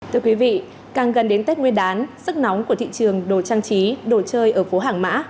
thưa quý vị càng gần đến tết nguyên đán sức nóng của thị trường đồ trang trí đồ chơi ở phố hàng mã